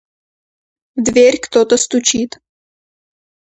В дверь кто-то стучит.